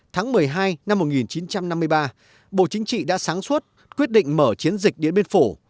tháng một mươi hai năm một nghìn chín trăm năm mươi ba bộ chính trị đã sáng suốt quyết định mở chiến dịch điện biên phủ